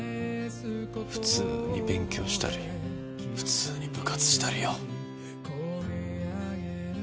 普通に勉強したり普通に部活したりよ。